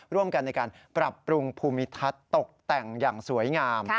ร่วมกันในการปรับปรุงภูมิทัศน์ตกแต่งอย่างสวยงาม